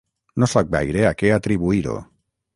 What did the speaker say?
No sap gaire a què atribuir-ho.